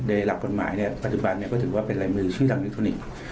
ในหลักกฎหมายนี้ปัจจุบันก็ถือว่าเป็นรายมือชี่รังดิกตุนิค